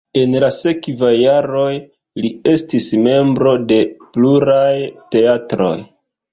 En la sekvaj jaroj li estis membro de pluraj teatroj.